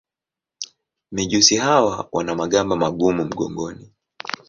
Mijusi hawa wana magamba magumu mgongoni.